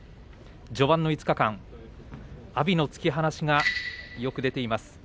序盤の５日間阿炎の突き放しがよく出ています。